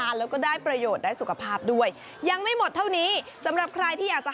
แล้วก็ได้ประโยชน์ได้สุขภาพด้วยยังไม่หมดเท่านี้สำหรับใครที่อยากจะ